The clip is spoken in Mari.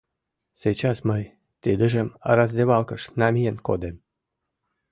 — Сейчас мый тидыжым раздевалкыш намиен кодем...